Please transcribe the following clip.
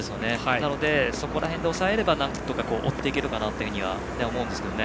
なので、そこら辺で抑えれば追っていけるかなと思うんですけどね。